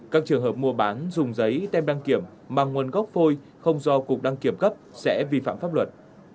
các trường hợp mua bán dùng giấy tem đăng kiểm mà nguồn gốc phôi không do cục đăng kiểm cấp sẽ vi phạm pháp luật